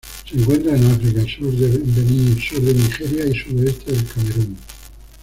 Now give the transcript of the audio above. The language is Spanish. Se encuentran en África: sur de Benín, sur de Nigeria y sudoeste del Camerún.